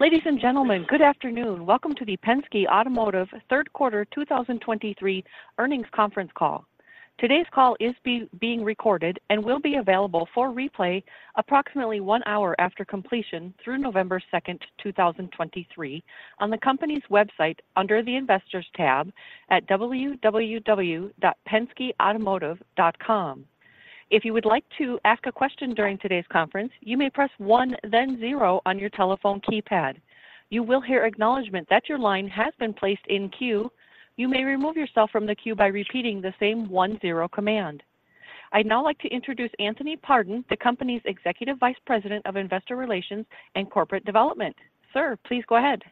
Ladies and gentlemen, good afternoon. Welcome to the Penske Automotive Third Quarter 2023 Earnings Conference Call. Today's call is being recorded and will be available for replay approximately one hour after completion through 2 November, 2023, on the company's website under the Investors tab at www.penskeautomotive.com. If you would like to ask a question during today's conference, you may press one, then zero on your telephone keypad. You will hear acknowledgment that your line has been placed in queue. You may remove yourself from the queue by repeating the same one, zero command. I'd now like to introduce Anthony Pordon, the company's Executive Vice President of Investor Relations and Corporate Development. Sir, please go ahead.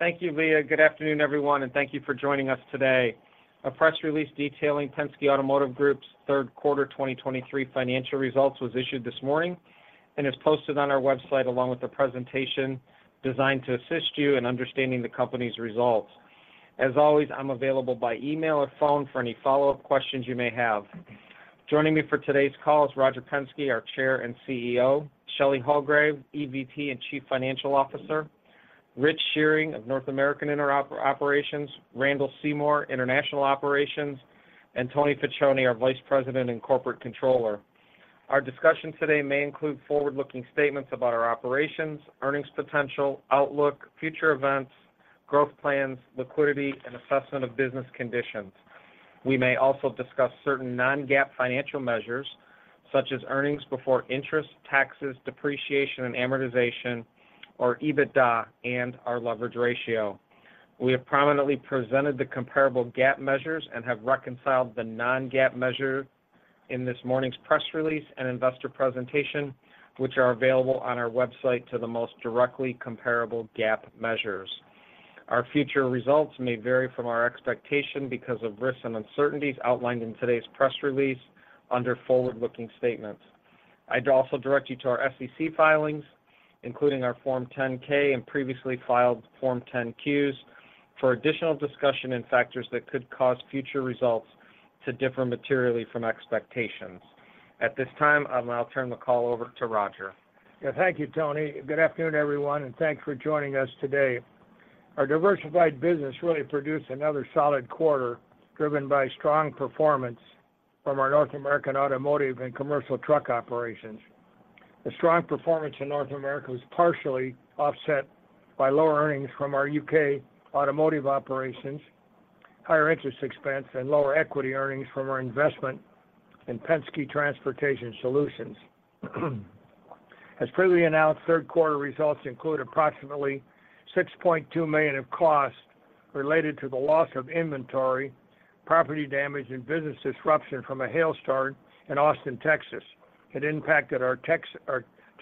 Thank you, Leah. Good afternoon, everyone, and thank you for joining us today. A press release detailing Penske Automotive Group's third quarter 2023 financial results was issued this morning and is posted on our website, along with the presentation designed to assist you in understanding the company's results. As always, I'm available by email or phone for any follow-up questions you may have. Joining me for today's call is Roger Penske, our Chair and CEO, Shelley Hulgrave, EVP and Chief Financial Officer, Rich Shearing of North American Operations, Randall Seymore, International Operations, and Tony Piccione, our Vice President and Corporate Controller. Our discussion today may include forward-looking statements about our operations, earnings potential, outlook, future events, growth plans, liquidity, and assessment of business conditions. We may also discuss certain non-GAAP financial measures, such as earnings before interest, taxes, depreciation, and amortization, or EBITDA, and our leverage ratio. We have prominently presented the comparable GAAP measures and have reconciled the non-GAAP measure in this morning's press release and investor presentation, which are available on our website to the most directly comparable GAAP measures. Our future results may vary from our expectation because of risks and uncertainties outlined in today's press release under forward-looking statements. I'd also direct you to our SEC filings, including our Form 10-K and previously filed Form 10-Qs, for additional discussion and factors that could cause future results to differ materially from expectations. At this time, I'll now turn the call over to Roger. Yeah, thank you, Tony. Good afternoon, everyone, and thanks for joining us today. Our diversified business really produced another solid quarter, driven by strong performance from our North American automotive and commercial truck operations. The strong performance in North America was partially offset by lower earnings from our UK automotive operations, higher interest expense, and lower equity earnings from our investment in Penske Transportation Solutions. As previously announced, third quarter results include approximately $6.2 million of costs related to the loss of inventory, property damage, and business disruption from a hailstorm in Austin, Texas. It impacted our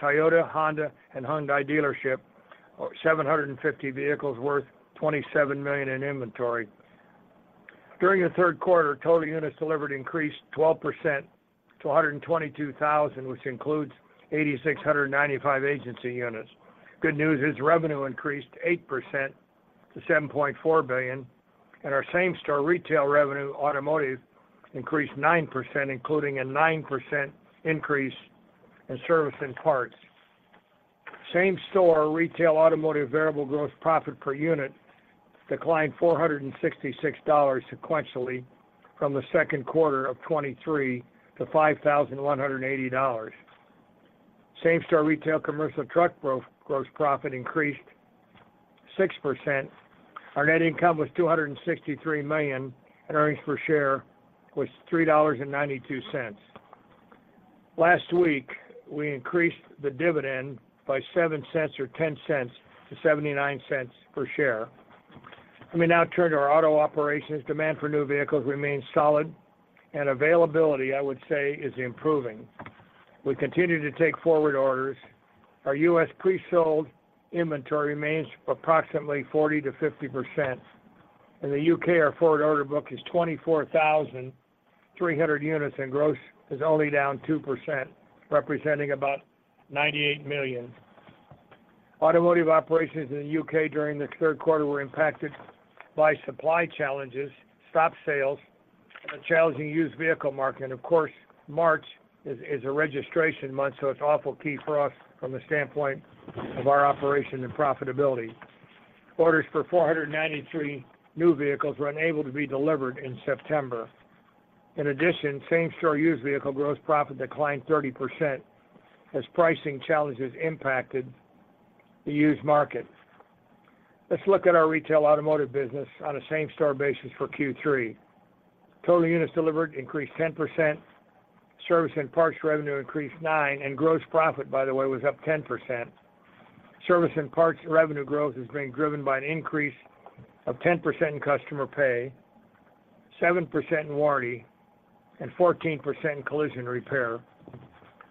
Toyota, Honda, and Hyundai dealership, 750 vehicles worth $27 million in inventory. During the third quarter, total units delivered increased 12% to 122,000, which includes 8,695 agency units. Good news is revenue increased 8% to $7.4 billion, and our same-store retail revenue automotive increased 9%, including a 9% increase in service and parts. Same-store retail automotive variable gross profit per unit declined $466 sequentially from the second quarter of 2023 to $5,180. Same-store retail commercial truck gross profit increased 6%. Our net income was $263 million, and earnings per share was $3.92. Last week, we increased the dividend by $0.07 or $0.10-$0.79 per share. Let me now turn to our auto operations. Demand for new vehicles remains solid, and availability, I would say, is improving. We continue to take forward orders. Our U.S. pre-sold inventory remains approximately 40%-50%. In the UK, our forward order book is 24,300 units, and gross is only down 2%, representing about $98 million. Automotive operations in the UK during the third quarter were impacted by supply challenges, stop sales, a challenging used vehicle market, of course, March is a registration month, so it's awfully key for us from the standpoint of our operation and profitability. Orders for 493 new vehicles were unable to be delivered in September. In addition, same-store used vehicle gross profit declined 30% as pricing challenges impacted the used market. Let's look at our retail automotive business on a same-store basis for Q3. Total units delivered increased 10%, service and parts revenue increased 9%, and gross profit, by the way, was up 10%. Service and parts revenue growth is being driven by an increase of 10% in customer pay, 7% in warranty, and 14% in collision repair.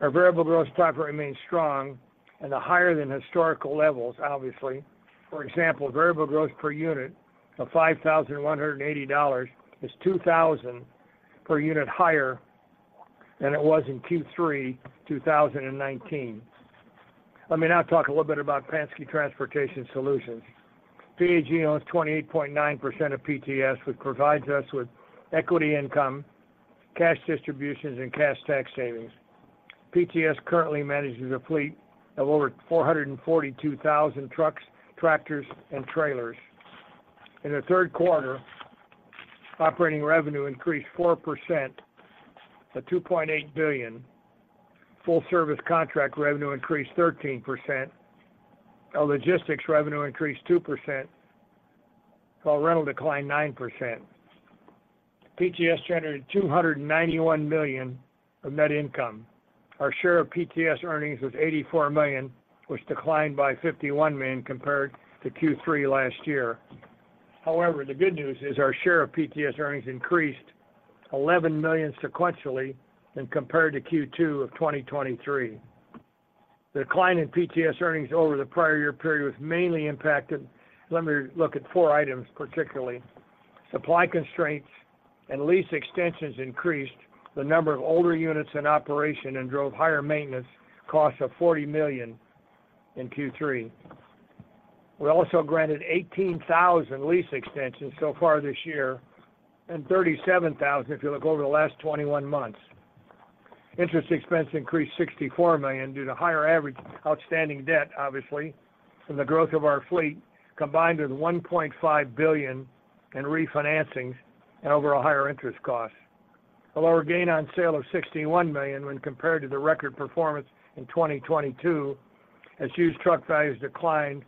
Our variable gross profit remains strong and are higher than historical levels, obviously. For example, variable gross per unit of $5,180 is $2,000 per unit higher than it was in Q3 2019. Let me now talk a little bit about Penske Transportation Solutions. PAG owns 28.9% of PTS, which provides us with equity income, cash distributions, and cash tax savings.... PTS currently manages a fleet of over 442,000 trucks, tractors, and trailers. In the third quarter, operating revenue increased 4% to $2.8 billion. Full service contract revenue increased 13%. Our logistics revenue increased 2%, while rental declined 9%. PTS generated $291 million of net income. Our share of PTS earnings was $84 million, which declined by $51 million compared to Q3 last year. However, the good news is our share of PTS earnings increased $11 million sequentially when compared to Q2 of 2023. The decline in PTS earnings over the prior year period was mainly impacted. Let me look at four items, particularly. Supply constraints and lease extensions increased the number of older units in operation and drove higher maintenance costs of $40 million in Q3. We also granted 18,000 lease extensions so far this year and 37,000 if you look over the last 21 months. Interest expense increased $64 million due to higher average outstanding debt, obviously, from the growth of our fleet, combined with $1.5 billion in refinancings and overall higher interest costs. A lower gain on sale of $61 million when compared to the record performance in 2022, as used truck values declined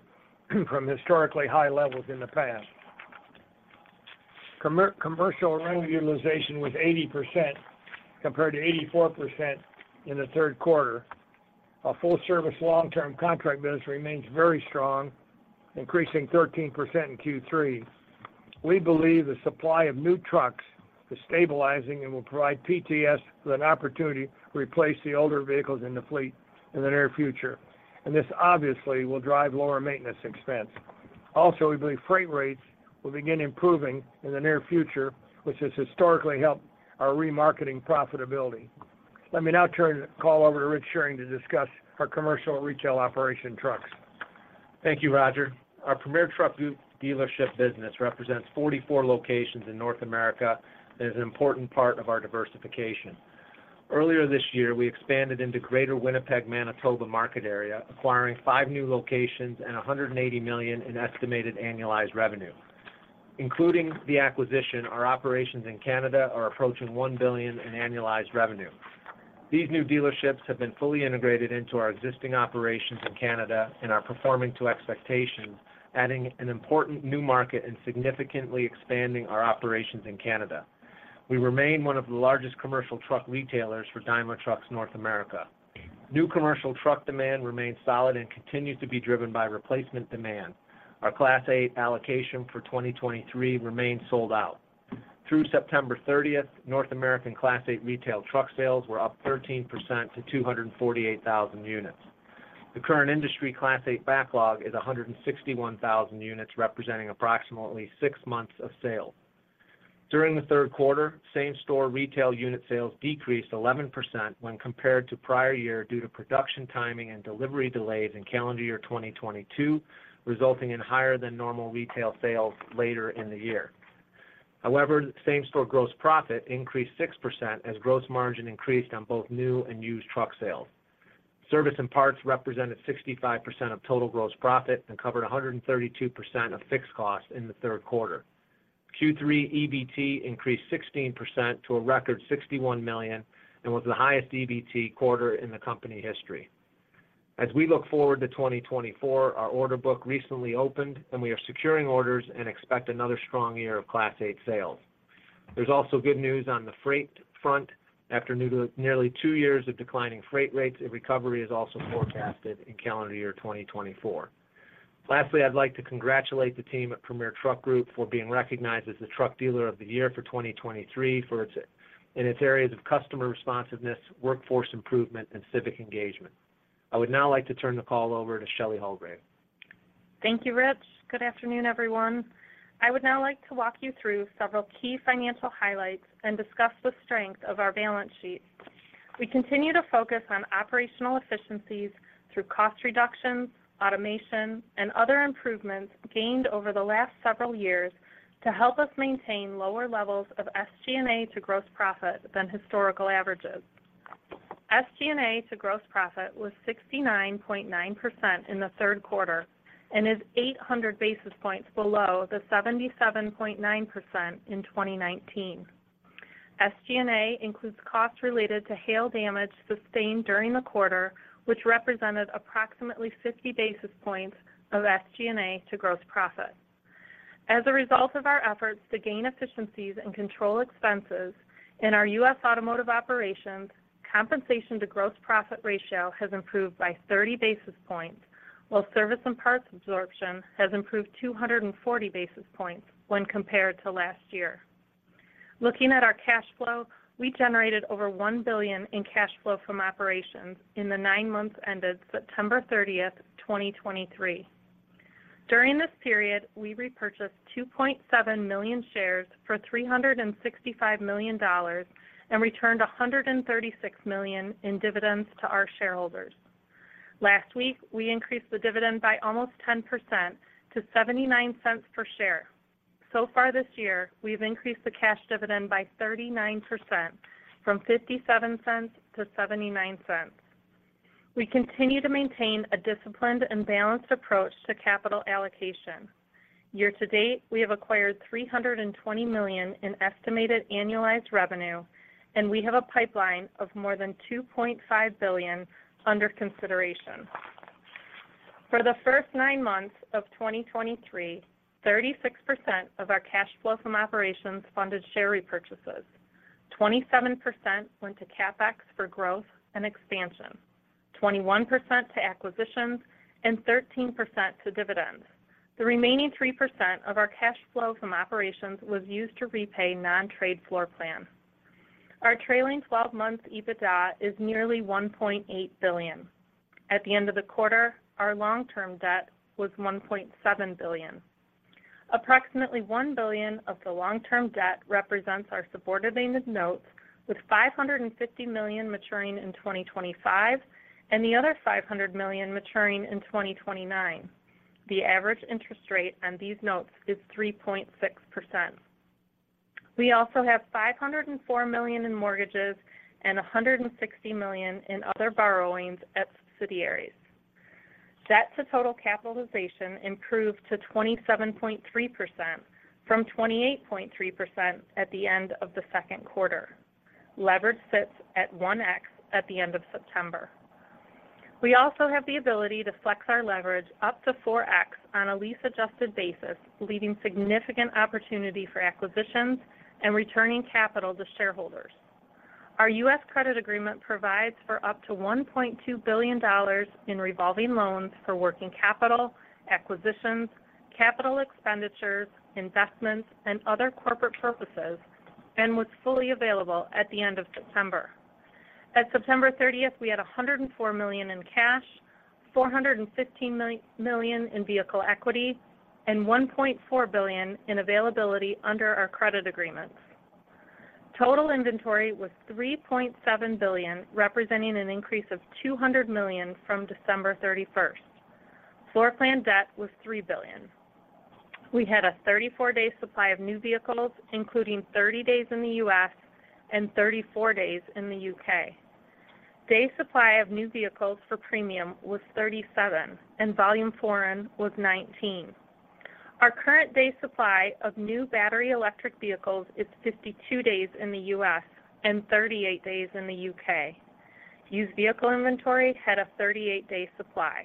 from historically high levels in the past. Commercial revenue utilization was 80% compared to 84% in the third quarter. Our full service long-term contract business remains very strong, increasing 13% in Q3. We believe the supply of new trucks is stabilizing and will provide PTS with an opportunity to replace the older vehicles in the fleet in the near future, and this obviously will drive lower maintenance expense. Also, we believe freight rates will begin improving in the near future, which has historically helped our remarketing profitability. Let me now turn the call over to Rich Shearing to discuss our commercial retail operation trucks. Thank you, Roger. Our Premier Truck Group dealership business represents 44 locations in North America, and is an important part of our diversification. Earlier this year, we expanded into Greater Winnipeg, Manitoba market area, acquiring five new locations and $180 million in estimated annualized revenue. Including the acquisition, our operations in Canada are approaching $1 billion in annualized revenue. These new dealerships have been fully integrated into our existing operations in Canada and are performing to expectations, adding an important new market and significantly expanding our operations in Canada. We remain one of the largest commercial truck retailers for Daimler Trucks North America. New commercial truck demand remains solid and continues to be driven by replacement demand. Our Class 8 allocation for 2023 remains sold out. Through September 30, North American Class 8 retail truck sales were up 13% to 248,000 units. The current industry Class 8 backlog is 161,000 units, representing approximately six months of sales. During the third quarter, same-store retail unit sales decreased 11% when compared to prior year due to production timing and delivery delays in calendar year 2022, resulting in higher than normal retail sales later in the year. However, same-store gross profit increased 6% as gross margin increased on both new and used truck sales. Service and parts represented 65% of total gross profit and covered 132% of fixed costs in the third quarter. Q3 EBT increased 16% to a record $61 million and was the highest EBT quarter in the company history. As we look forward to 2024, our order book recently opened, and we are securing orders and expect another strong year of Class 8 sales. There's also good news on the freight front. After nearly two years of declining freight rates, a recovery is also forecasted in calendar year 2024. Lastly, I'd like to congratulate the team at Premier Truck Group for being recognized as the Truck Dealer of the Year for 2023 for its, in its areas of customer responsiveness, workforce improvement, and civic engagement. I would now like to turn the call over to Shelley Hulgrave. Thank you, Rich. Good afternoon, everyone. I would now like to walk you through several key financial highlights and discuss the strength of our balance sheet. We continue to focus on operational efficiencies through cost reductions, automation, and other improvements gained over the last several years to help us maintain lower levels of SG&A to gross profit than historical averages. SG&A to gross profit was 69.9% in the third quarter and is 800 basis points below the 77.9% in 2019. SG&A includes costs related to hail damage sustained during the quarter, which represented approximately 50 basis points of SG&A to gross profit. As a result of our efforts to gain efficiencies and control expenses in our U.S. automotive operations, compensation to gross profit ratio has improved by 30 basis points, while service and parts absorption has improved 240 basis points when compared to last year. Looking at our cash flow, we generated over $1 billion in cash flow from operations in the nine months ended 30 September, 2023. During this period, we repurchased 2.7 million shares for $365 million and returned $136 million in dividends to our shareholders.... Last week, we increased the dividend by almost 10% to $0.79 per share. So far this year, we've increased the cash dividend by 39% from $0.57-$0.79. We continue to maintain a disciplined and balanced approach to capital allocation. Year to date, we have acquired $320 million in estimated annualized revenue, and we have a pipeline of more than $2.5 billion under consideration. For the first nine months of 2023, 36% of our cash flow from operations funded share repurchases, 27% went to CapEx for growth and expansion, 21% to acquisitions, and 13% to dividends. The remaining 3% of our cash flow from operations was used to repay non-trade floor plans. Our trailing 12 month EBITDA is nearly $1.8 billion. At the end of the quarter, our long-term debt was $1.7 billion. Approximately $1 billion of the long-term debt represents our subordinated notes, with $550 million maturing in 2025 and the other $500 million maturing in 2029. The average interest rate on these notes is 3.6%. We also have $504 million in mortgages and $160 million in other borrowings at subsidiaries. Debt to total capitalization improved to 27.3% from 28.3% at the end of the second quarter. Leverage sits at one times at the end of September. We also have the ability to flex our leverage up to four times on a lease-adjusted basis, leaving significant opportunity for acquisitions and returning capital to shareholders. Our U.S. credit agreement provides for up to $1.2 billion in revolving loans for working capital, acquisitions, capital expenditures, investments, and other corporate purposes, and was fully available at the end of September. At September thirtieth, we had $104 million in cash, $415 million in vehicle equity, and $1.4 billion in availability under our credit agreements. Total inventory was $3.7 billion, representing an increase of $200 million from December 31. Floor plan debt was $3 billion. We had a 34-day supply of new vehicles, including 30 days in the U.S. and 34 days in the UK Day supply of new vehicles for premium was 37, and volume foreign was 19. Our current day supply of new battery electric vehicles is 52 days in the U.S. and 38 days in the UK Used vehicle inventory had a 38 day supply.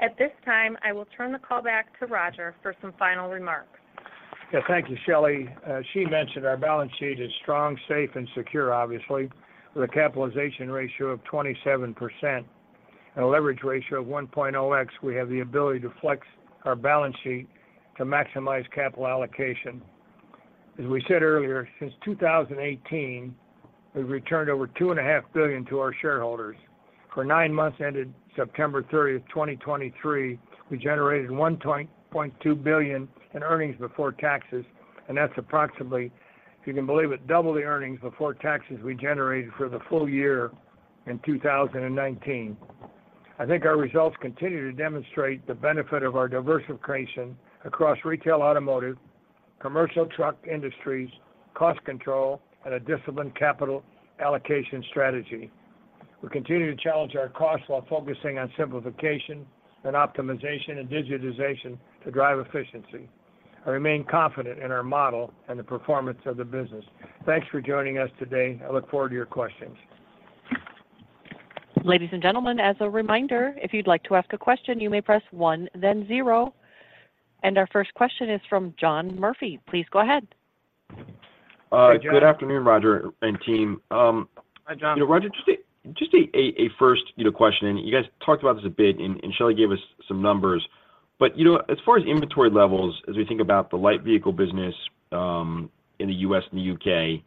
At this time, I will turn the call back to Roger for some final remarks. Yeah, thank you, Shelley. She mentioned our balance sheet is strong, safe, and secure, obviously, with a capitalization ratio of 27% and a leverage ratio of 1.0 times. We have the ability to flex our balance sheet to maximize capital allocation. As we said earlier, since 2018, we've returned over $2.5 billion to our shareholders. For nine months ended 30 September, 2023, we generated $1.2 billion in earnings before taxes, and that's approximately, if you can believe it, double the earnings before taxes we generated for the full year in 2019. I think our results continue to demonstrate the benefit of our diversification across retail automotive, commercial truck industries, cost control, and a disciplined capital allocation strategy. We continue to challenge our costs while focusing on simplification and optimization and digitization to drive efficiency. I remain confident in our model and the performance of the business. Thanks for joining us today. I look forward to your questions. Ladies and gentlemen, as a reminder, if you'd like to ask a question, you may press one, then zero. Our first question is from John Murphy. Please go ahead. Uh-. Hi, John... Good afternoon, Roger and team. Hi, John. Roger, just a first, you know, question, and you guys talked about this a bit, and Shelley gave us some numbers. But, you know, as far as inventory levels, as we think about the light vehicle business, in the U.S. and the UK,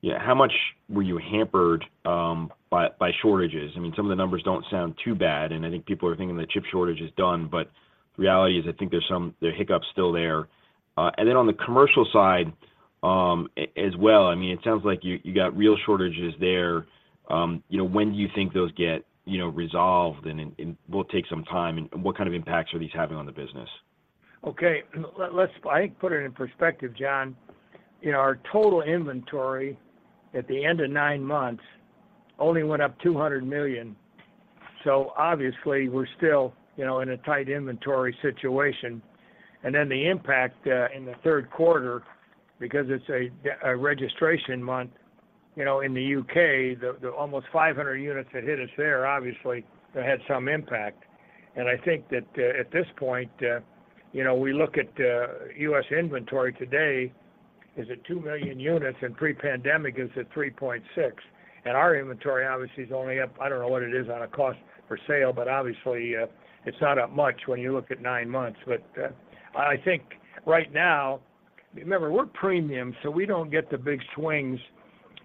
yeah, how much were you hampered by shortages? I mean, some of the numbers don't sound too bad, and I think people are thinking the chip shortage is done, but the reality is, I think there's some... There are hiccups still there. And then on the commercial side, as well, I mean, it sounds like you got real shortages there. You know, when do you think those get resolved, and will take some time, and what kind of impacts are these having on the business? Okay, let's, I think, put it in perspective, John. You know, our total inventory at the end of nine months only went up $200 million. So obviously, we're still, you know, in a tight inventory situation. And then the impact in the third quarter, because it's a registration month, you know, in the UK, the almost 500 units that hit us there, obviously, that had some impact. And I think that at this point, you know, we look at U.S. inventory today is at 2 million units, and pre-pandemic is at 3.6. And our inventory, obviously, is only up, I don't know what it is on a cost for sale, but obviously, it's not up much when you look at nine months. But, I think right now, remember, we're premium, so we don't get the big swings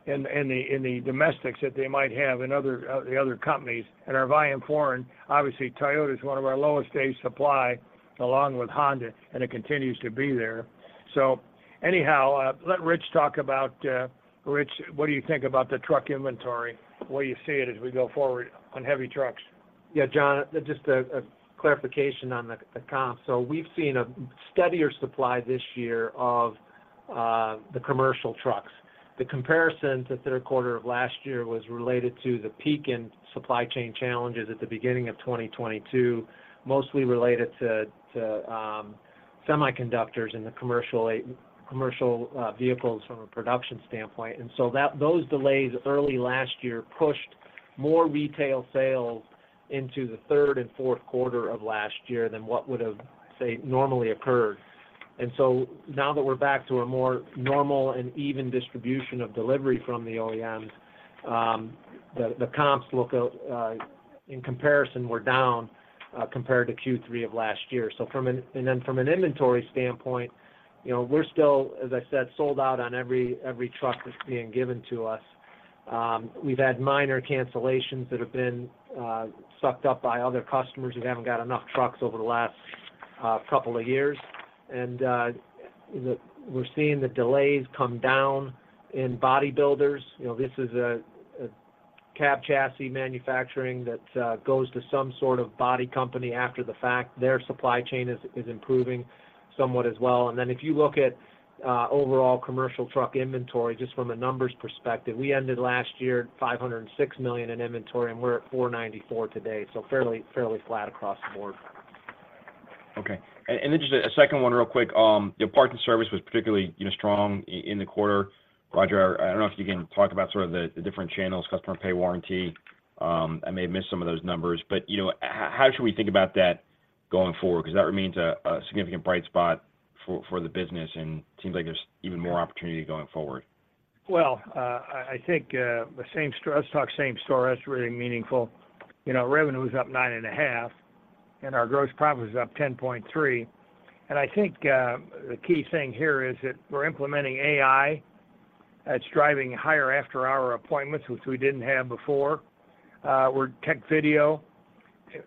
in the domestics that they might have in other, the other companies. And our volume foreign, obviously, Toyota is one of our lowest day supply, along with Honda, and it continues to be there. So anyhow, let Rich talk about... Rich, what do you think about the truck inventory, the way you see it as we go forward on heavy trucks? ... Yeah, John, just a clarification on the comp. So we've seen a steadier supply this year of the commercial trucks. The comparison to third quarter of last year was related to the peak in supply chain challenges at the beginning of 2022, mostly related to semiconductors in the commercial vehicles from a production standpoint. And so that—those delays early last year pushed more retail sales into the third and fourth quarter of last year than what would've, say, normally occurred. And so now that we're back to a more normal and even distribution of delivery from the OEMs, the comps look in comparison, we're down compared to Q3 of last year. So from an inventory standpoint, you know, we're still, as I said, sold out on every truck that's being given to us. We've had minor cancellations that have been sucked up by other customers who haven't got enough trucks over the last couple of years. And we're seeing the delays come down in body builders. You know, this is a cab chassis manufacturing that goes to some sort of body company after the fact. Their supply chain is improving somewhat as well. And then if you look at overall commercial truck inventory, just from a numbers perspective, we ended last year at $506 million in inventory, and we're at $494 million today, so fairly flat across the board. Okay. And just a second one real quick. Your parts and service was particularly, you know, strong in the quarter. Roger, I don't know if you can talk about sort of the different channels, customer pay, warranty. I may have missed some of those numbers, but you know, how should we think about that going forward? Because that remains a significant bright spot for the business, and seems like there's even more opportunity going forward. Well, I think the same store - let's talk same store, that's really meaningful. You know, revenue is up 9.5, and our gross profit is up 10.3. And I think the key thing here is that we're implementing AI that's driving higher after-hour appointments, which we didn't have before. We're tech video.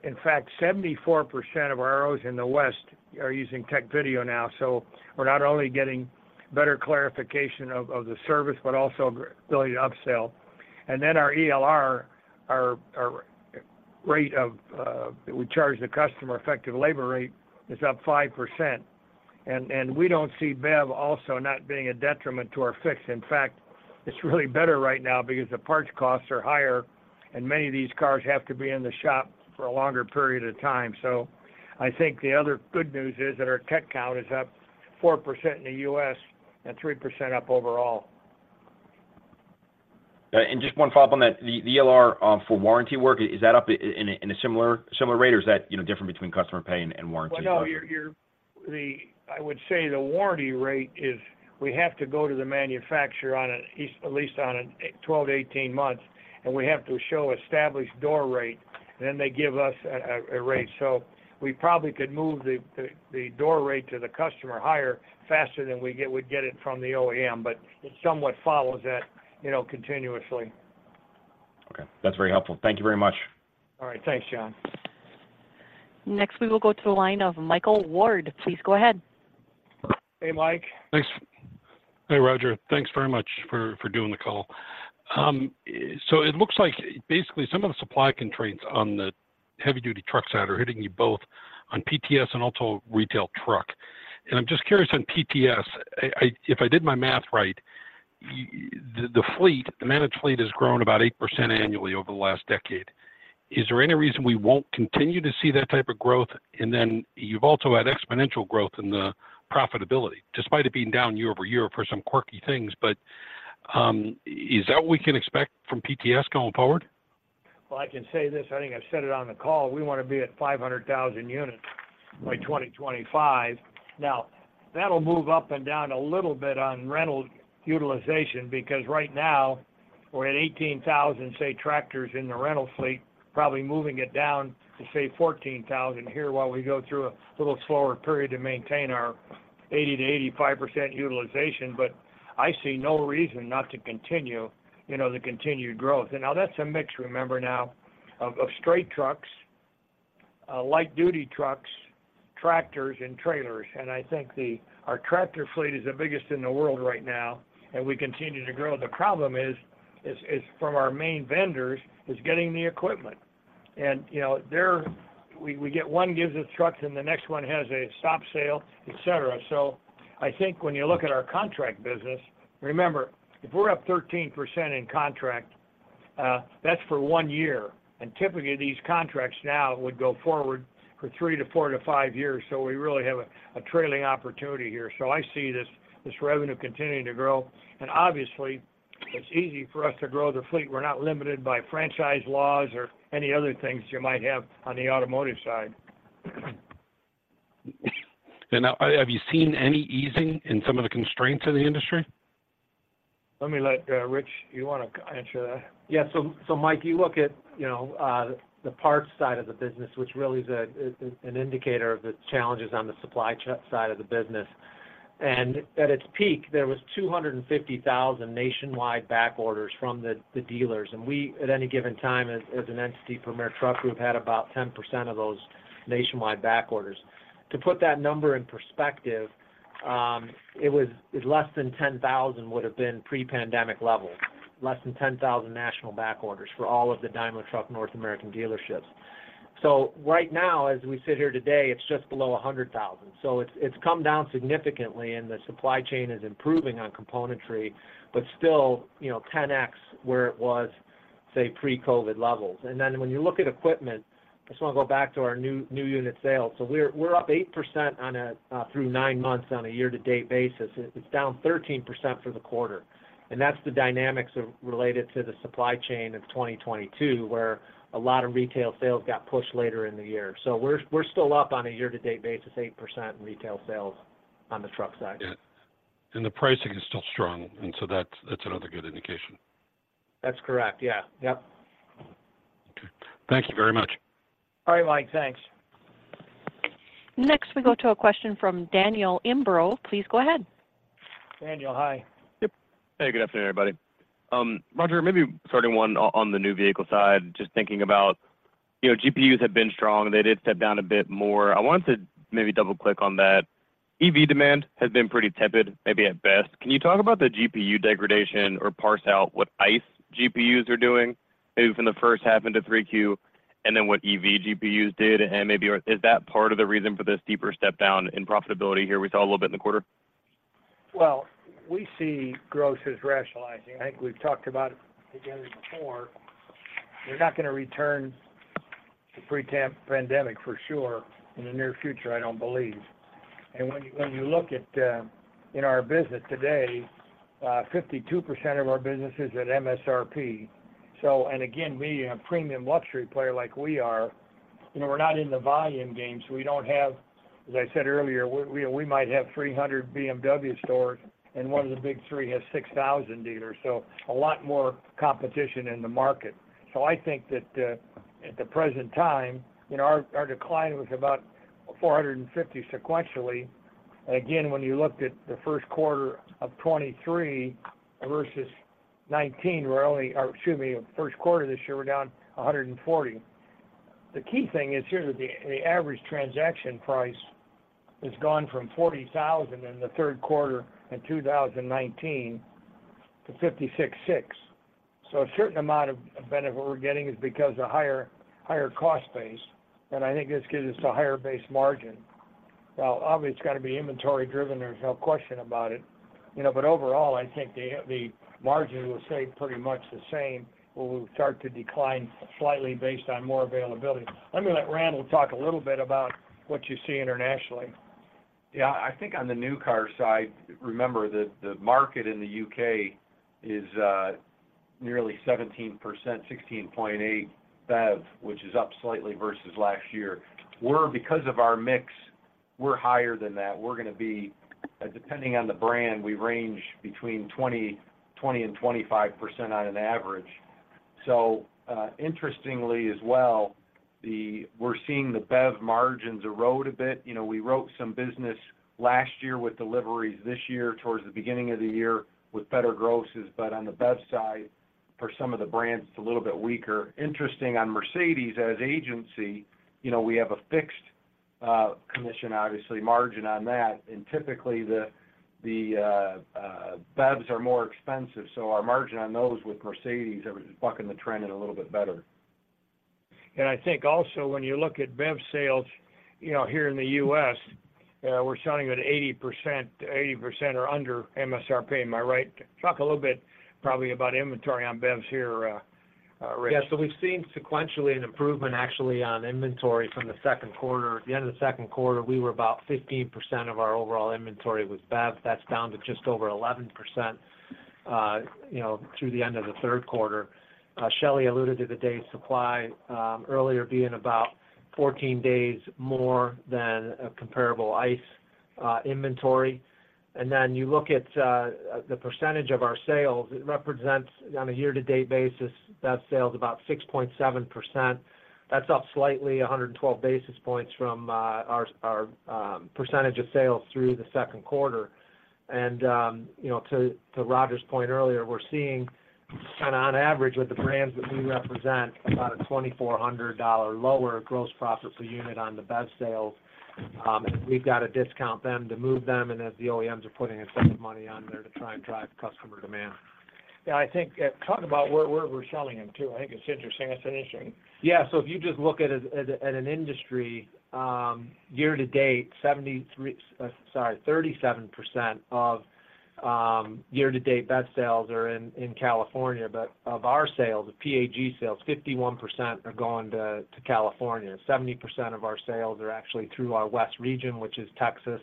In fact, 74% of our ROs in the West are using Tech Video now. So we're not only getting better clarification of the service, but also ability to upsell. And then our ELR, our rate of we charge the customer effective labor rate is up 5%. And we don't see BEV also not being a detriment to our fixed. In fact, it's really better right now because the parts costs are higher, and many of these cars have to be in the shop for a longer period of time. So I think the other good news is that our tech count is up 4% in the U.S. and 3% up overall. And just one follow-up on that. The ELR for warranty work, is that up in a similar rate, or is that, you know, different between customer pay and warranty work? Well, no, the warranty rate is, we have to go to the manufacturer on at least 12-18 months, and we have to show established door rate, then they give us a rate. So we probably could move the door rate to the customer higher, faster than we'd get it from the OEM, but it somewhat follows that, you know, continuously. Okay. That's very helpful. Thank you very much. All right. Thanks, John. Next, we will go to the line of Michael Ward. Please go ahead. Hey, Mike. Thanks. Hey, Roger. Thanks very much for, for doing the call. So it looks like basically some of the supply constraints on the heavy-duty truck side are hitting you both on PTS and also retail truck. And I'm just curious on PTS, if I did my math right, the fleet, the managed fleet has grown about 8% annually over the last decade. Is there any reason we won't continue to see that type of growth? And then you've also had exponential growth in the profitability, despite it being down year-over-year for some quirky things. But, is that what we can expect from PTS going forward? Well, I can say this, I think I've said it on the call: We want to be at 500,000 units by 2025. Now, that'll move up and down a little bit on rental utilization, because right now we're at 18,000, say, tractors in the rental fleet, probably moving it down to, say, 14,000 here while we go through a little slower period to maintain our 80%-85% utilization. But I see no reason not to continue, you know, the continued growth. And now, that's a mix, remember now, of straight trucks, light-duty trucks, tractors, and trailers, and I think our tractor fleet is the biggest in the world right now, and we continue to grow. The problem is from our main vendors, is getting the equipment. You know, they're—we, we get one gives us trucks, and the next one has a stop sale, et cetera. So I think when you look at our contract business, remember, if we're up 13% in contract, that's for one year, and typically, these contracts now would go forward for three to four to five years, so we really have a trailing opportunity here. So I see this revenue continuing to grow, and obviously, it's easy for us to grow the fleet. We're not limited by franchise laws or any other things you might have on the automotive side. Now, have you seen any easing in some of the constraints in the industry? Let me, Rich, you wanna answer that? Yeah, so, so Mike, you look at, you know, the parts side of the business, which really is an indicator of the challenges on the supply chain side of the business. And at its peak, there was 250,000 nationwide back orders from the dealers. And we, at any given time, as an entity, Premier Truck Group, had about 10% of those nationwide back orders. To put that number in perspective- ... it was, less than 10,000 would have been pre-pandemic level, less than 10,000 national back orders for all of the Daimler Trucks North America dealerships. So right now, as we sit here today, it's just below 100,000. So it's, it's come down significantly and the supply chain is improving on componentry, but still, you know, 10 times where it was, say, pre-COVID levels. And then when you look at equipment, I just want to go back to our new, new unit sales. So we're, we're up 8% on a, through nine months on a year-to-date basis. It's down 13% for the quarter, and that's the dynamics of related to the supply chain of 2022, where a lot of retail sales got pushed later in the year. So we're still up on a year-to-date basis, 8% in retail sales on the truck side. Yeah. The pricing is still strong, and so that's, that's another good indication. That's correct. Yeah. Yep. Okay. Thank you very much. All right, Mike. Thanks. Next, we go to a question from Daniel Imbro. Please go ahead. Daniel, hi. Yep. Hey, good afternoon, everybody. Roger, maybe starting one on, on the new vehicle side, just thinking about, you know, GPUs have been strong. They did step down a bit more. I wanted to maybe double click on that. EV demand has been pretty tepid, maybe at best. Can you talk about the GPU degradation or parse out what ICE GPUs are doing, maybe from the first half into 3Q, and then what EV GPUs did? And maybe, is that part of the reason for this deeper step down in profitability here we saw a little bit in the quarter? Well, we see gross as rationalizing. I think we've talked about it together before. We're not going to return to pre-pandemic, for sure, in the near future, I don't believe. And when you look at, in our business today, 52% of our business is at MSRP. So, and again, being a premium luxury player like we are, you know, we're not in the volume game, so we don't have, as I said earlier, we might have 300 BMW stores, and one of the big three has 6,000 dealers, so a lot more competition in the market. So I think that, at the present time, you know, our decline was about 450 sequentially. Again, when you looked at the first quarter of 2023 versus 2019, we're only... Or excuse me, first quarter this year, we're down 140. The key thing is here that the, the average transaction price has gone from $40,000 in the third quarter in 2019 to $56,600. So a certain amount of benefit we're getting is because of higher, higher cost base, and I think this gives us a higher base margin. Well, obviously, it's got to be inventory driven, there's no question about it. You know, but overall, I think the, the margin will stay pretty much the same, or will start to decline slightly based on more availability. Let me let Randall talk a little bit about what you see internationally. Yeah, I think on the new car side, remember that the market in the UK is nearly 17%, 16.8% BEV, which is up slightly versus last year. We're, because of our mix, we're higher than that. We're going to be, depending on the brand, we range between 20%, 20% and 25% on an average. So, interestingly as well, the, we're seeing the BEV margins erode a bit. You know, we wrote some business last year with deliveries this year towards the beginning of the year with better grosses, but on the BEV side, for some of the brands, it's a little bit weaker. Interesting on Mercedes as agency, you know, we have a fixed commission, obviously, margin on that. Typically, BEVs are more expensive, so our margin on those with Mercedes is bucking the trend in a little bit better. I think also when you look at BEV sales, you know, here in the U.S., we're selling at 80%, 80% or under MSRP. Am I right? Talk a little bit, probably about inventory on BEVs here, Rich. Yeah. So we've seen sequentially an improvement actually on inventory from the second quarter. At the end of the second quarter, we were about 15% of our overall inventory was BEV. That's down to just over 11%, you know, through the end of the third quarter. Shelley alluded to the day supply, earlier being about 14 days more than a comparable ICE inventory. And then you look at the percentage of our sales, it represents on a year-to-date basis, that sale is about 6.7%. That's up slightly, 112 basis points from our percentage of sales through the second quarter. And, you know, to Roger's point earlier, we're seeing kind of on average with the brands that we represent, about a $2,400 lower gross profit per unit on the BEV sales. We've got to discount them to move them, and as the OEMs are putting a ton of money on there to try and drive customer demand. Yeah, I think, talk about where, where we're selling them, too. I think it's interesting. It's interesting. Yeah. So if you just look at an industry year to date, 37% of year-to-date BEV sales are in California, but of our sales, the PAG sales, 51% are going to California. 70% of our sales are actually through our west region, which is Texas,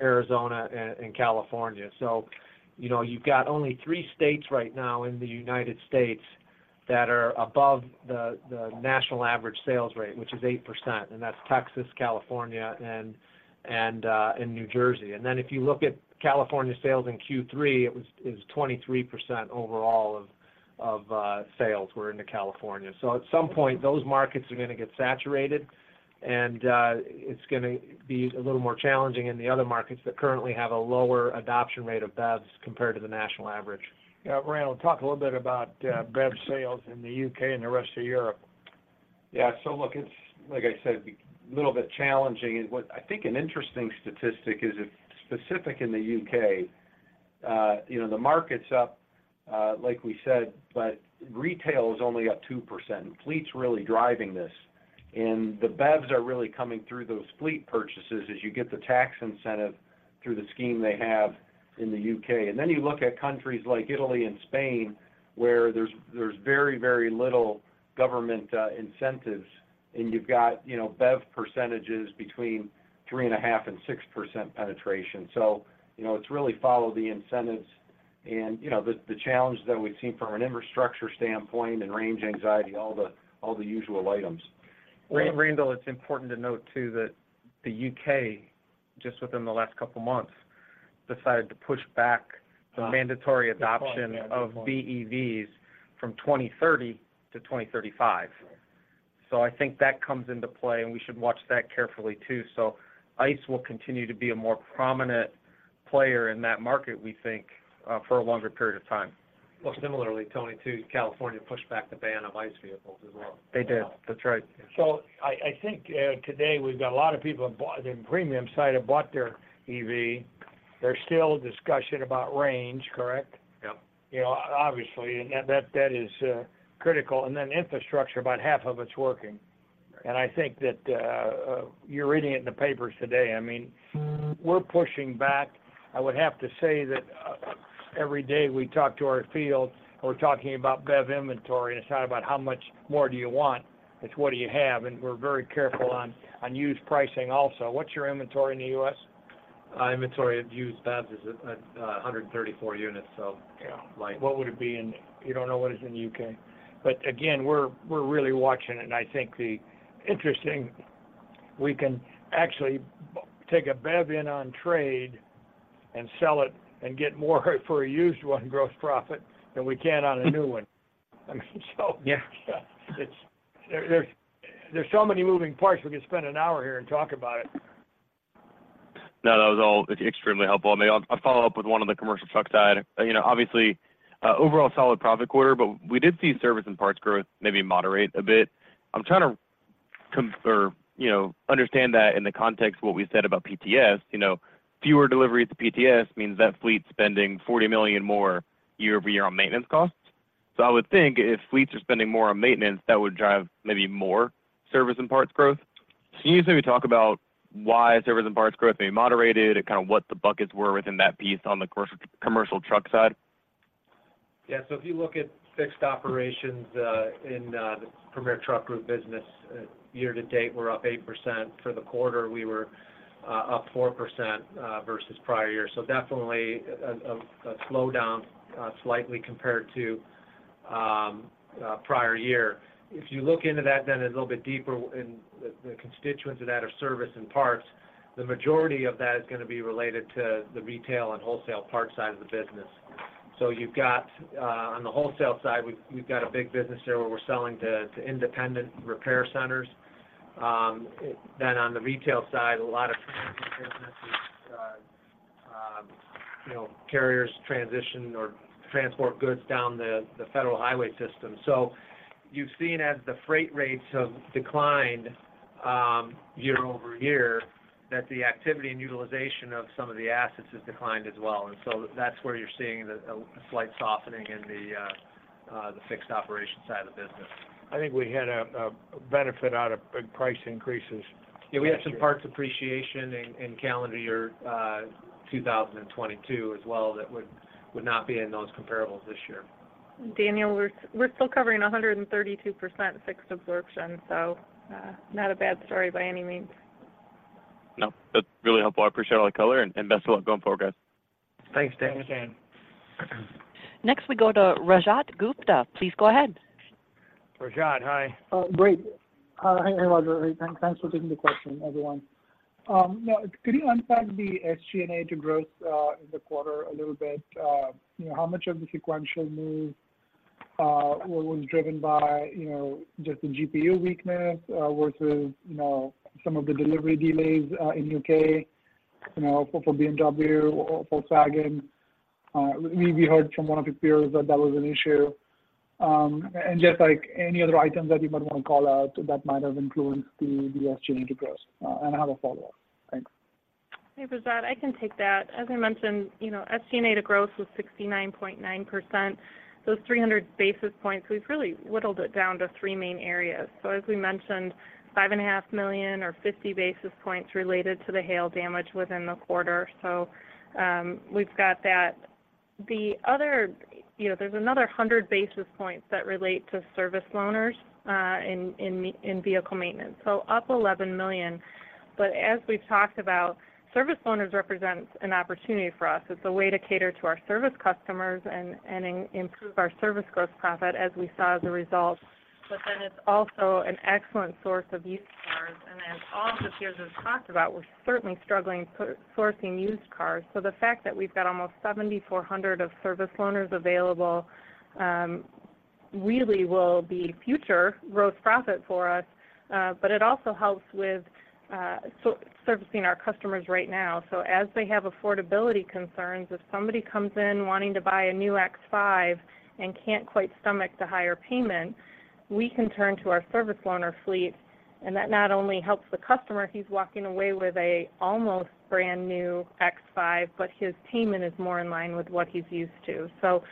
Arizona, and California. So you know, you've got only three states right now in the United States that are above the national average sales rate, which is 8%, and that's Texas, California, and New Jersey. And then if you look at California sales in Q3, it was 23% overall of sales were in California. At some point, those markets are going to get saturated, and it's going to be a little more challenging in the other markets that currently have a lower adoption rate of BEVs compared to the national average. Yeah. Randall, talk a little bit about, BEV sales in the UK and the rest of Europe.... Yeah, so look, it's, like I said, a little bit challenging. And what I think an interesting statistic is, if specific in the UK, you know, the market's up, like we said, but retail is only up 2%. Fleet's really driving this, and the BEVs are really coming through those fleet purchases as you get the tax incentive through the scheme they have in the UK. And then you look at countries like Italy and Spain, where there's very, very little government incentives, and you've got, you know, BEV percentages between 3.5% and 6% penetration. So, you know, it's really follow the incentives. You know, the challenge that we've seen from an infrastructure standpoint and range anxiety, all the usual items. Randall, it's important to note, too, that the UK, just within the last couple of months, decided to push back the mandatory adoption of BEVs from 2030-2035. So I think that comes into play, and we should watch that carefully, too. So ICE will continue to be a more prominent player in that market, we think, for a longer period of time. Well, similarly, Tony, too, California pushed back the ban on ICE vehicles as well. They did. That's right. So I, I think, today we've got a lot of people in buy-- in premium side, have bought their EV. There's still discussion about range, correct? Yep. You know, obviously, and that is critical. And then infrastructure, about half of it's working. Right. I think that you're reading it in the papers today. I mean, we're pushing back. I would have to say that every day we talk to our field, and we're talking about BEV inventory, and it's not about how much more do you want, it's what do you have? And we're very careful on used pricing also. What's your inventory in the U.S.? Our inventory of used BEVs is at 134 units, so yeah. What would it be in... You don't know what it is in the UK? But again, we're really watching it, and I think the interesting, we can actually take a BEV in on trade and sell it and get more for a used one gross profit than we can on a new one. I mean, so- Yeah. There are so many moving parts, we could spend an hour here and talk about it. No, that was all extremely helpful. I may I'll follow up with one on the commercial truck side. You know, obviously, overall solid profit quarter, but we did see service and parts growth maybe moderate a bit. I'm trying to or, you know, understand that in the context of what we said about PTS. You know, fewer deliveries to PTS means that fleet spending $40 million more year-over-year on maintenance costs. So I would think if fleets are spending more on maintenance, that would drive maybe more service and parts growth. Can you maybe talk about why service and parts growth may be moderated and kind of what the buckets were within that piece on the commercial, commercial truck side? Yeah, so if you look at fixed operations in the Premier Truck Group business, year to date, we're up 8%. For the quarter, we were up 4% versus prior year. So definitely a slowdown slightly compared to prior year. If you look into that, then a little bit deeper in the constituents of that are service and parts, the majority of that is going to be related to the retail and wholesale parts side of the business. So you've got on the wholesale side, we've got a big business there where we're selling to independent repair centers. Then on the retail side, a lot of transport businesses, you know, carriers transition or transport goods down the federal highway system. So you've seen as the freight rates have declined year-over-year, that the activity and utilization of some of the assets has declined as well. And so that's where you're seeing a slight softening in the fixed operations side of the business. I think we had a benefit out of big price increases. Yeah, we had some parts appreciation in calendar year 2022 as well, that would not be in those comparables this year. Daniel, we're still covering 132% fixed absorption, so not a bad story by any means. No, that's really helpful. I appreciate all the color, and best of luck going forward, guys. Thanks, Daniel. Thanks. Next, we go to Rajat Gupta. Please go ahead. Rajat, hi. Oh, great. Hi, Roger. Thanks for taking the question, everyone. Now, could you unpack the SG&A to growth in the quarter a little bit? How much of the sequential move was driven by, you know, just the GPU weakness versus, you know, some of the delivery delays in UK, you know, for BMW or Volkswagen? We heard from one of your peers that that was an issue. And just like any other items that you might want to call out that might have influenced the SG&A to growth. And I have a follow-up. Thanks. Hey, Rajat, I can take that. As I mentioned, you know, SG&A to growth was 69.9%. Those 300 basis points, we've really whittled it down to three main areas. So as we mentioned, $5.5 million or 50 basis points related to the hail damage within the quarter. So, we've got that. The other-- you know, there's another 100 basis points that relate to service loaners in vehicle maintenance. So up $11 million, but as we've talked about, service loaners represents an opportunity for us. It's a way to cater to our service customers and improve our service gross profit, as we saw as a result. But then it's also an excellent source of used cars. And as all of the peers have talked about, we're certainly struggling sourcing used cars. So the fact that we've got almost 7,400 of service loaners available, really will be future gross profit for us, but it also helps with servicing our customers right now. So as they have affordability concerns, if somebody comes in wanting to buy a new X5 and can't quite stomach the higher payment, we can turn to our service loaner fleet, and that not only helps the customer, he's walking away with a almost brand-new X5, but his payment is more in line with what he's used to. So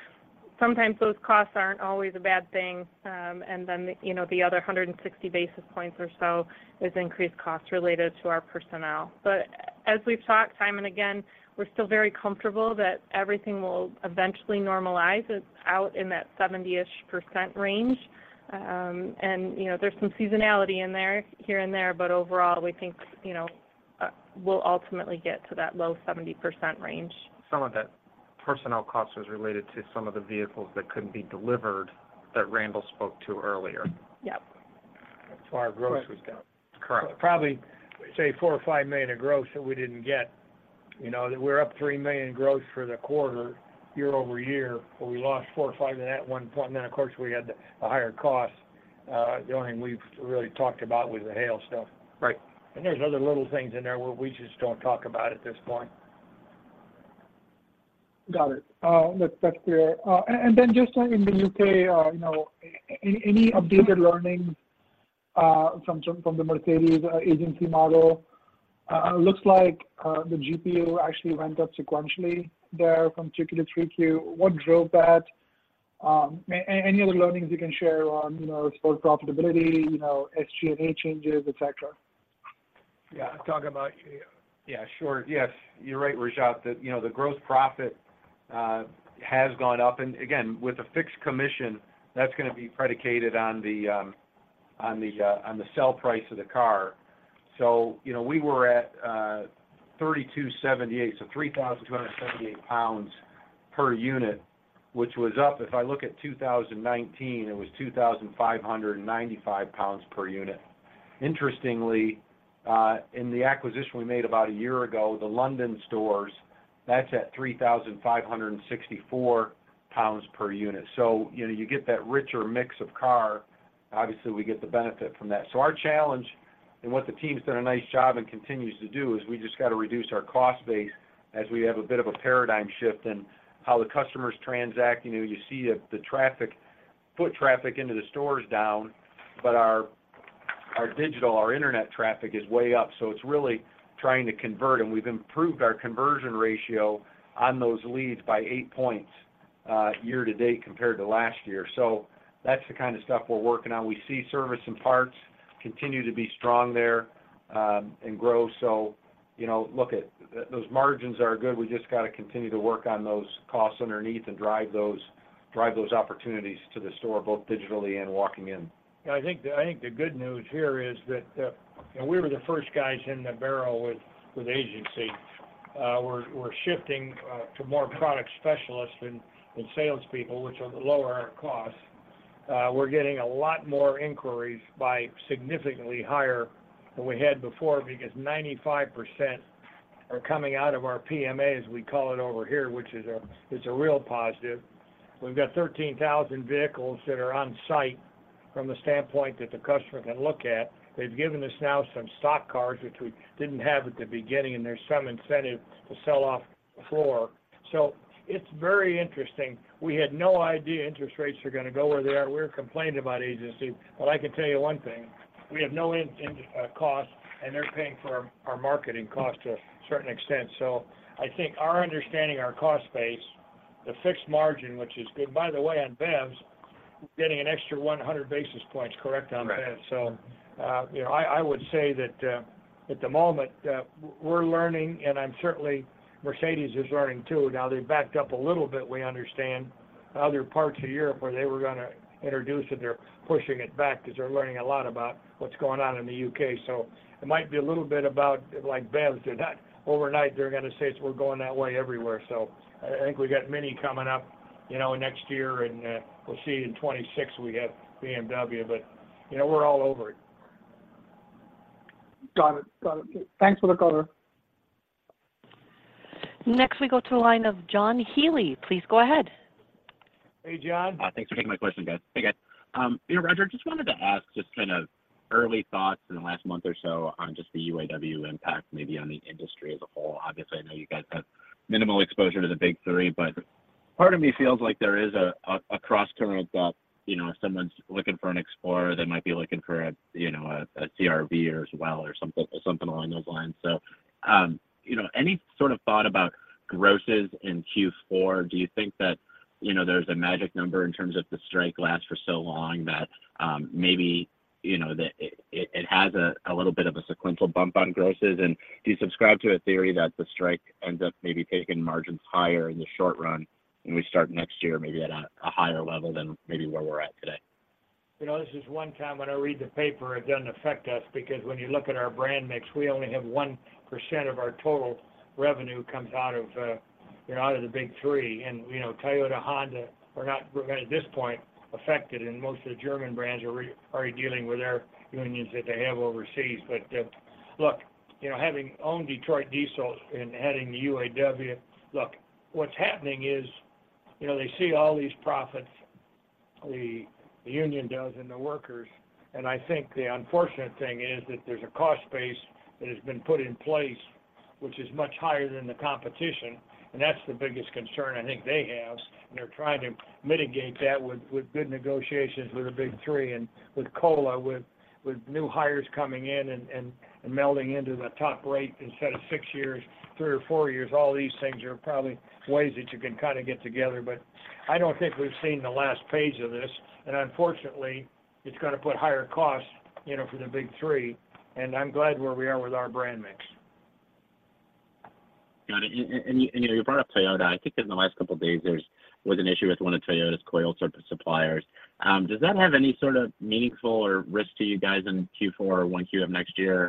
sometimes those costs aren't always a bad thing. And then, the, you know, the other 160 basis points or so is increased costs related to our personnel. But as we've talked time and again, we're still very comfortable that everything will eventually normalize. It's out in that 70%-ish range. You know, there's some seasonality in there, here and there, but overall, we think, you know, we'll ultimately get to that low 70% range. Some of that personnel costs was related to some of the vehicles that couldn't be delivered, that Randall spoke to earlier. Yep. Our gross was down. Correct. Probably, say $4 million-$5 million of gross that we didn't get. You know, we're up $3 million in gross for the quarter, year-over-year, but we lost $4 million-$5 million in that one point. And then, of course, we had a higher cost. The only thing we've really talked about was the hail stuff. Right. There's other little things in there where we just don't talk about at this point. Got it. That's, that's clear. And then just in the UK, you know, any updated learnings from the Mercedes agency model? Looks like the GPU actually went up sequentially there from 2Q-3Q. What drove that? Any other learnings you can share on, you know, store profitability, you know, SG&A changes, et cetera? Yeah, sure. Yes, you're right, Rajat, that, you know, the gross profit has gone up. And again, with a fixed commission, that's gonna be predicated on the sell price of the car. So, you know, we were at 3,278, so 3,278 pounds per unit, which was up. If I look at 2019, it was 2,595 pounds per unit. Interestingly, in the acquisition we made about a year ago, the London stores, that's at 3,564 pounds per unit. So you know, you get that richer mix of car, obviously, we get the benefit from that. So our challenge, and what the team's done a nice job and continues to do, is we just got to reduce our cost base as we have a bit of a paradigm shift in how the customers transact. You know, you see the, the traffic, foot traffic into the stores down, but our, our digital, our internet traffic is way up, so it's really trying to convert, and we've improved our conversion ratio on those leads by eight points, year to date compared to last year. So that's the kind of stuff we're working on. We see service and parts continue to be strong there, and grow. So, you know, look at, those margins are good. We just got to continue to work on those costs underneath and drive those, drive those opportunities to the store, both digitally and walking in. I think the good news here is that we were the first guys in the barrel with agency. We're shifting to more product specialists than salespeople, which will lower our costs. We're getting a lot more inquiries by significantly higher than we had before, because 95% are coming out of our PMA, as we call it over here, which is a real positive. We've got 13,000 vehicles that are on site from the standpoint that the customer can look at. They've given us now some stock cars, which we didn't have at the beginning, and there's some incentive to sell off the floor. So it's very interesting. We had no idea interest rates were gonna go where they are. We're complaining about agency, but I can tell you one thing, we have no in cost, and they're paying for our marketing cost to a certain extent. So I think our understanding, our cost base, the fixed margin, which is good, by the way, on BEVs, we're getting an extra 100 basis points, correct on BEVs. Right. So, you know, I, I would say that, at the moment, we're learning, and I'm certainly, Mercedes is learning, too. Now, they backed up a little bit, we understand, other parts of Europe, where they were gonna introduce it, they're pushing it back because they're learning a lot about what's going on in the UK. So it might be a little bit about, like, BEVs. They're not overnight, they're gonna say, "We're going that way everywhere." So I think we got Mini coming up, you know, next year, and, we'll see in 2026, we have BMW, but, you know, we're all over it. Got it. Got it. Thanks for the color. Next, we go to a line of John Healy. Please go ahead. Hey, John. Thanks for taking my question, guys. Hey, guys. You know, Roger, just wanted to ask just kind of early thoughts in the last month or so on just the UAW impact, maybe on the industry as a whole. Obviously, I know you guys have minimal exposure to the Big Three, but part of me feels like there is a cross current that, you know, if someone's looking for an Explorer, they might be looking for a, you know, a CR-V as well, or something, something along those lines. So, you know, any sort of thought about grosses in Q4? Do you think that, you know, there's a magic number in terms of the strike lasts for so long that, maybe, you know, that it has a little bit of a sequential bump on grosses? Do you subscribe to a theory that the strike ends up maybe taking margins higher in the short run, and we start next year, maybe at a higher level than maybe where we're at today? You know, this is one time when I read the paper, it doesn't affect us, because when you look at our brand mix, we only have 1% of our total revenue comes out of, you know, out of the Big Three. And, you know, Toyota, Honda are not, at this point, affected, and most of the German brands are already dealing with their unions that they have overseas. But, look, you know, having owned Detroit Diesel and heading the UAW, look, what's happening is. You know, they see all these profits, the, the union does and the workers, and I think the unfortunate thing is that there's a cost base that has been put in place which is much higher than the competition, and that's the biggest concern I think they have. They're trying to mitigate that with good negotiations with the Big Three and with COLA, with new hires coming in and melding into the top rate instead of six years, three or four years. All these things are probably ways that you can kind of get together, but I don't think we've seen the last page of this, and unfortunately, it's gonna put higher costs, you know, for the Big Three, and I'm glad where we are with our brand mix. Got it. And you know, you brought up Toyota. I think in the last couple of days, there was an issue with one of Toyota's coil suppliers. Does that have any sort of meaningful or risk to you guys in Q4 or Q1 of next year?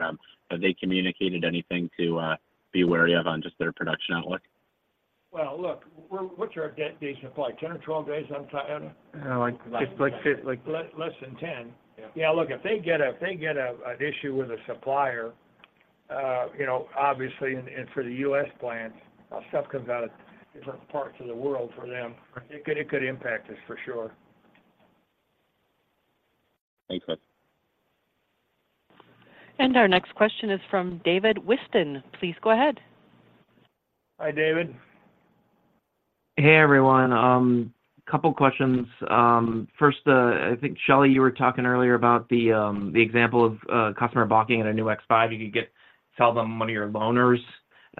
Have they communicated anything to be wary of on just their production outlook? Well, look, what's our day-to-day supply, 10 or 12 days on Toyota? Like, like fi- like- Less than 10. Yeah. Yeah, look, if they get an issue with a supplier, you know, obviously, and for the U.S. plants, stuff comes out of different parts of the world for them. It could impact us for sure. Thanks, guys. Our next question is from David Whiston. Please go ahead. Hi, David. Hey, everyone. A couple of questions. First, I think, Shelley, you were talking earlier about the example of a customer balking at a new X5. You could sell them one of your loaners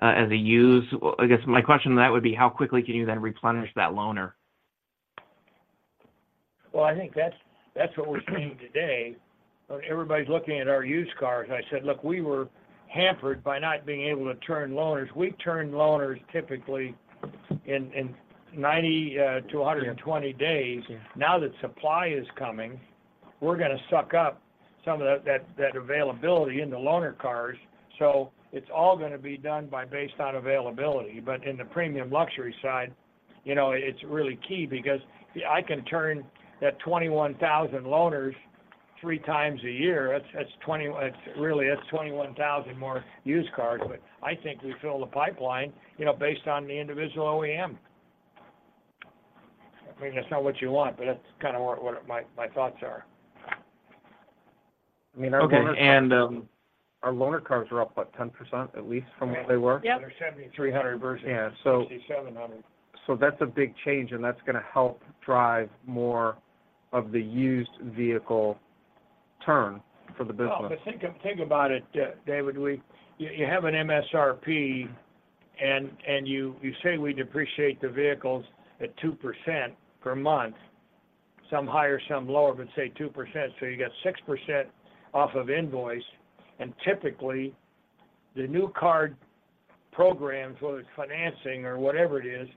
as a used. I guess my question on that would be, how quickly can you then replenish that loaner? Well, I think that's, that's what we're seeing today. Everybody's looking at our used cars, and I said, "Look, we were hampered by not being able to turn loaners." We turn loaners typically in 90-120 days. Yeah. Now that supply is coming, we're gonna suck up some of that availability in the loaner cars, so it's all gonna be done based on availability. But in the premium luxury side, you know, it's really key because I can turn that 21,000 loaners three times a year. That's 20... Really, that's 21,000 more used cars, but I think we fill the pipeline, you know, based on the individual OEM. I mean, that's not what you want, but that's kind of what my thoughts are. I mean, our loaners-. Okay, and, Our loaner cars are up, what, 10%, at least from what they were? Yep. They're 7,300 versus- Yeah, so- Sixty-seven hundred. So that's a big change, and that's gonna help drive more of the used vehicle turn for the business. Well, but think about it, David, we. You have an MSRP, and you say we depreciate the vehicles at 2% per month. Some higher, some lower, but say 2%, so you get 6% off of invoice, and typically, the new car programs, whether it's financing or whatever it is,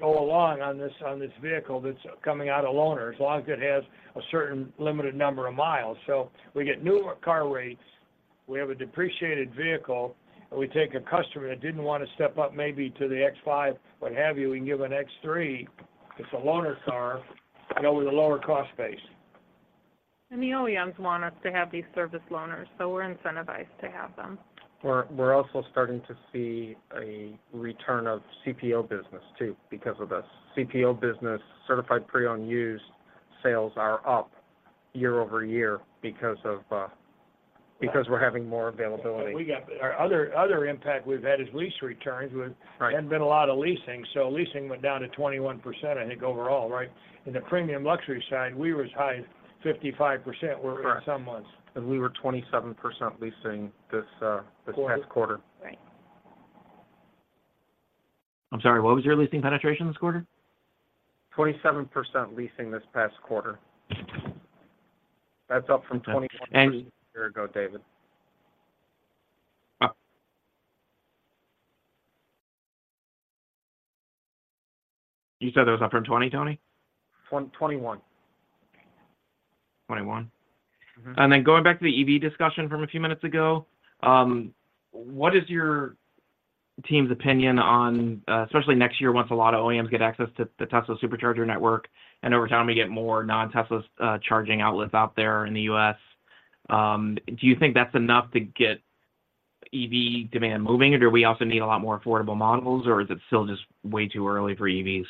go along on this vehicle that's coming out of loaners, as long as it has a certain limited number of miles. So we get newer car rates, we have a depreciated vehicle, and we take a customer that didn't want to step up maybe to the X5, what have you, we can give an X3. It's a loaner car, you know, with a lower cost base. The OEMs want us to have these service loaners, so we're incentivized to have them. We're also starting to see a return of CPO business, too, because of this. CPO business, certified pre-owned used, sales are up year-over-year because of this. Right.... because we're having more availability. We got our other impact we've had is lease returns. Right. There hadn't been a lot of leasing, so leasing went down to 21%, I think, overall, right? In the premium luxury side, we were as high as 55%- Right We were some months. We were 27% leasing this, this past quarter. Quarter. Right. I'm sorry, what was your leasing penetration this quarter? 27% leasing this past quarter. That's up from 21-. And. a year ago, David. You said it was up from 20, Tony? 21. 21. Mm-hmm. And then going back to the EV discussion from a few minutes ago, what is your team's opinion on, especially next year, once a lot of OEMs get access to the Tesla Supercharger network, and over time, we get more non-Tesla charging outlets out there in the U.S., do you think that's enough to get EV demand moving, or do we also need a lot more affordable models, or is it still just way too early for EVs?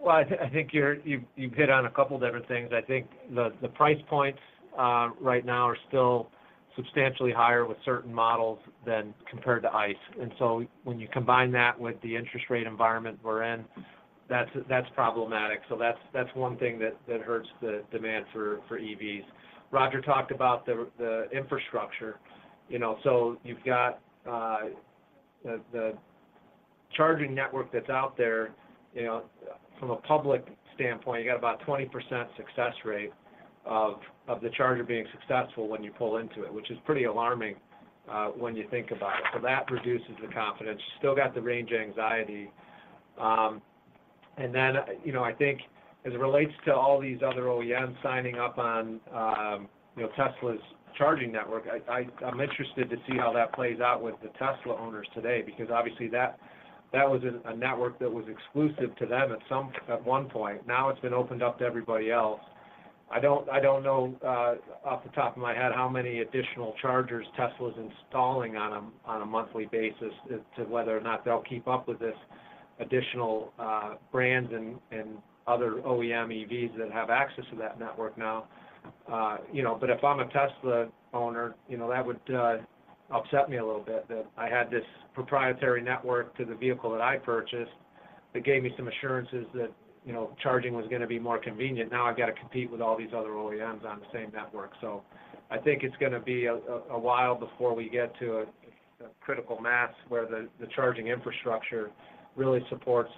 Well, I think you've hit on a couple of different things. I think the price points right now are still substantially higher with certain models than compared to ICE. And so when you combine that with the interest rate environment we're in, that's problematic. So that's one thing that hurts the demand for EVs. Roger talked about the infrastructure, you know, so you've got the charging network that's out there, you know, from a public standpoint, you got about 20% success rate of the charger being successful when you pull into it, which is pretty alarming when you think about it. So that reduces the confidence. Still got the range anxiety. And then, you know, I think as it relates to all these other OEMs signing up on, you know, Tesla's charging network, I'm interested to see how that plays out with the Tesla owners today, because obviously, that was a network that was exclusive to them at one point. Now, it's been opened up to everybody else. I don't know, off the top of my head, how many additional chargers Tesla is installing on a monthly basis as to whether or not they'll keep up with this additional brands and other OEM EVs that have access to that network now. You know, but if I'm a Tesla owner, you know, that would upset me a little bit, that I had this proprietary network to the vehicle that I purchased. It gave me some assurances that, you know, charging was gonna be more convenient. Now, I've got to compete with all these other OEMs on the same network. So I think it's gonna be a while before we get to a critical mass, where the charging infrastructure really supports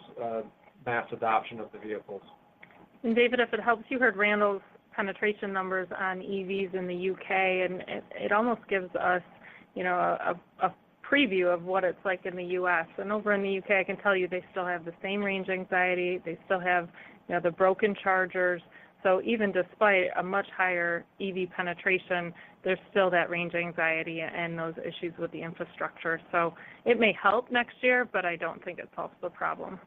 mass adoption of the vehicles. David, if it helps, you heard Randall's penetration numbers on EVs in the UK, and it almost gives us, you know, a preview of what it's like in the U.S. Over in the UK, I can tell you, they still have the same range anxiety. They still have, you know, the broken chargers. So even despite a much higher EV penetration, there's still that range anxiety and those issues with the infrastructure. It may help next year, but I don't think it solves the problem.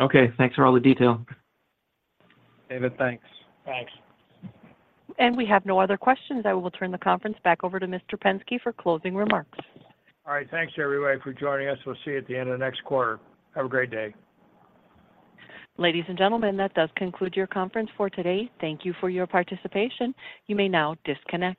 Okay, thanks for all the detail. David, thanks. Thanks. We have no other questions. I will turn the conference back over to Mr. Penske for closing remarks. All right, thanks, everybody, for joining us. We'll see you at the end of the next quarter. Have a great day. Ladies and gentlemen, that does conclude your conference for today. Thank you for your participation. You may now disconnect.